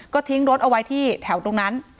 ก็ทิ้งรถเอาไว้ที่แถวตรงนั้น